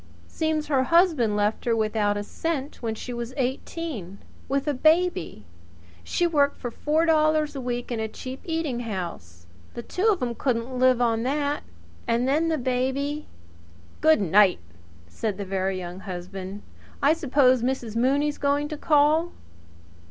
Seems her husband left her without a cent when she was eighteen with a baby. She worked for four dollars a week in a cheap eating house. The two of 'em couldn't live on that. Then the baby " "Good night!" said the Very Young Husband. "I suppose Mrs. Mooney's going to call?"